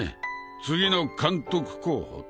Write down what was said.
次の監督候補と。